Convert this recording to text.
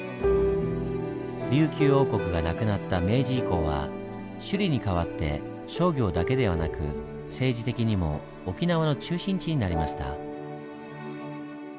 琉球王国がなくなった明治以降は首里に代わって商業だけではなく政治的にも沖縄の中心地になりました。